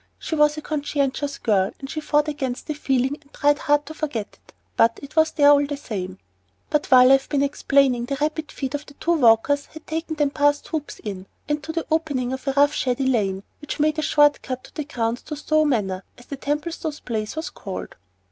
She was a conscientious girl, and she fought against the feeling and tried hard to forget it, but there it was all the same. But while I have been explaining, the rapid feet of the two walkers had taken them past the Hoops Inn, and to the opening of a rough shady lane which made a short cut to the grounds of Stowe Manor, as the Templestowes' place was called.